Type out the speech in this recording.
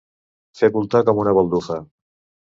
Fer voltar com una baldufa.